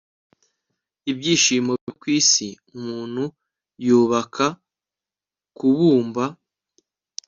ibyishimo byo kwisi, umuntu yubaka kubumba